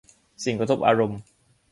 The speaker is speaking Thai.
สิ่งกระทบอารมณ์